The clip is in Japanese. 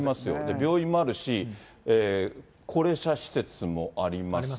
病院もあるし、高齢者施設もあります。